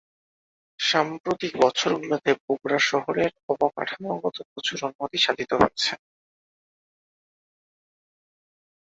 সাম্প্রতিক বছরগুলোতে বগুড়া শহরের অবকাঠামোগত প্রচুর উন্নতি সাধিত হয়েছে।